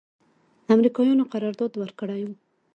امریکایانو قرارداد ورکړی و.